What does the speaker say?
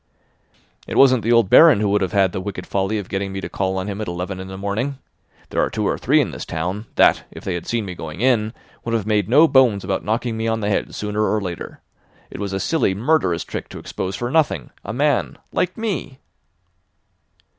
"It wasn't the old Baron who would have had the wicked folly of getting me to call on him at eleven in the morning. There are two or three in this town that, if they had seen me going in, would have made no bones about knocking me on the head sooner or later. It was a silly, murderous trick to expose for nothing a man—like me."